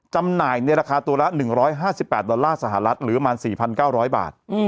จำหน่ายในราคาตัวละ๑๕๘ดอลลาร์สหรัฐหรือประมาณ๔๙๐๐บาท